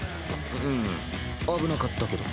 ううん危なかったけど。